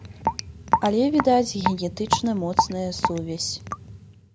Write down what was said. Але, відаць, генетычна моцная сувязь.